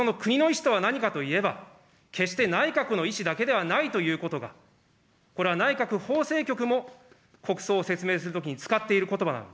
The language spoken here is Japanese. そしてその国の意思とは何かといえば、決して内閣の意思だけではないということが、これは内閣法制局も、国葬を説明するときに使っていることば。